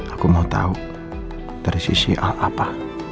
aku mau tahu dari sisi al apa